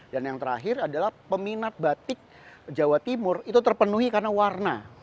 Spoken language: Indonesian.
dan yang terakhir adalah peminat batik jawa timur itu terpenuhi karena warna